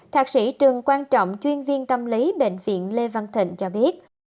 thạc sĩ trường quan trọng chuyên viên tâm lý bệnh viện lê văn thịnh cho biết